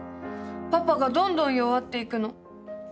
パパがどんどん弱っていくの。